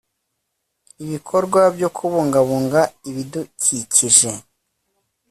IBIKORWA BYO KUBUNGABUNGA ibidikikije